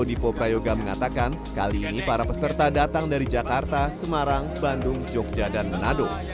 dipo prayoga mengatakan kali ini para peserta datang dari jakarta semarang bandung jogja dan manado